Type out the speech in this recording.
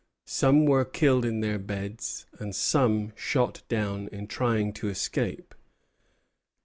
Some were killed in their beds, and some shot down in trying to escape.